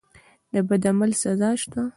د بد عمل سزا شته.